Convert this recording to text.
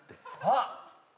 あっ！